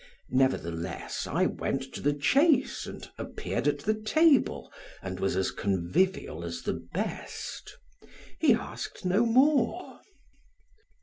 Nevertheless, I went to the chase and appeared at the table and was as convivial as the best; he asked no more.